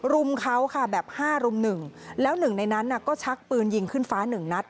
ลุมเขาค่ะแบบ๕ลุม๑แล้ว๑ในนั้นก็ชักปืนยิงขึ้นฟ้า๑นัด